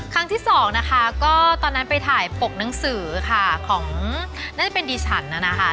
ครั้งที่สองนะคะก็ตอนนั้นไปถ่ายปกหนังสือค่ะของน่าจะเป็นดิฉันนะคะ